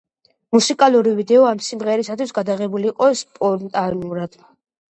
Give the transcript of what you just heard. მუსიკალური ვიდეო ამ სიმღერისათვის გადაღებული იყო სპონტანურად.